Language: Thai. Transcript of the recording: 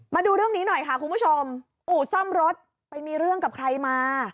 มาดูเรื่องนี้หน่อยค่ะคุณผู้ชมอู่ซ่อมรถไปมีเรื่องกับใครมา